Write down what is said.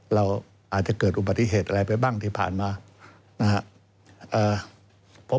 เราอาจจะเกิดอุบัติเหตุอะไรไปบ้างที่ผ่านมานะครับ